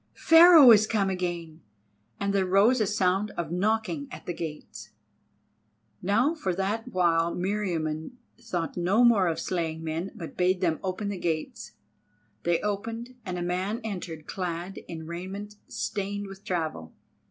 Pharaoh is come again!" and there rose a sound of knocking at the gates. Now for that while Meriamun thought no more of slaying the men, but bade them open the gates. They opened, and a man entered clad in raiment stained with travel.